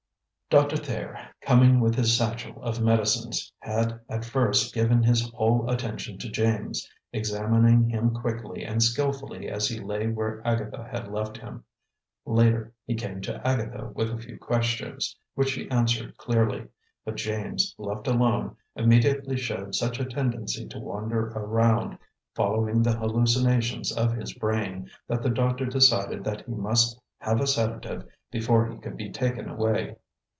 Doctor Thayer, coming with his satchel of medicines, had at first given his whole attention to James, examining him quickly and skilfully as he lay where Agatha had left him. Later he came to Agatha with a few questions, which she answered clearly; but James, left alone, immediately showed such a tendency to wander around, following the hallucinations of his brain, that the doctor decided that he must have a sedative before he could be taken away.